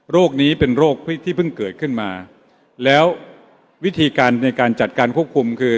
นี้เป็นโรคที่เพิ่งเกิดขึ้นมาแล้ววิธีการในการจัดการควบคุมคือ